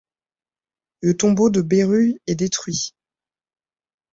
Le tombeau de Bérulle est détruit.